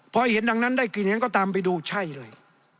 เพราะเห็นดังนั้นได้กี่เนี้ยงก็ตามไปดูใช่เลย